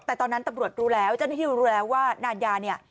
แต่ตอนนั้นตำรวจรู้แล้วเจ้าหน้าที่รู้แล้วว่านานยาเนี่ย